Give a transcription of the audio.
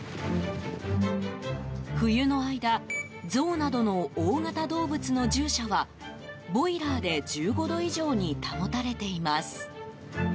冬の間、ゾウなどの大型動物の獣舎はボイラーで１５度以上に保たれています。